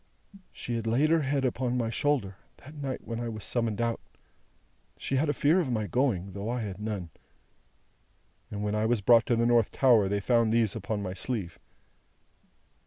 "She had laid her head upon my shoulder, that night when I was summoned out she had a fear of my going, though I had none and when I was brought to the North Tower they found these upon my sleeve.